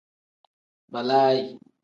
Balaayi.